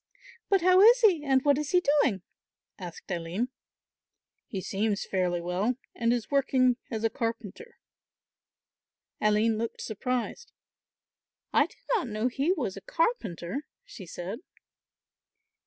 "But how is he and what is he doing?" asked Aline. "He seems fairly well and is working as a carpenter." Aline looked surprised. "I did not know he was a carpenter," she said.